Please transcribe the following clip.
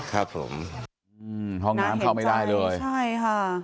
ครับผมอืมห้องน้ำเข้าไม่ได้เลยใช่ค่ะ